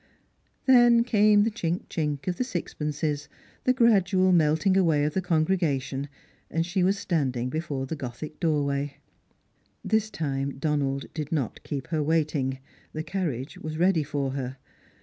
Then came the chink chink of the sixpences, the gradual melting away of the congregation, and she was standing efore the gotliic doorway. This time Donald did not keep her waiting. The carriage was ready for her.